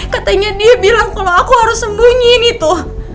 katanya dia bilang kalau aku harus sembunyiin itu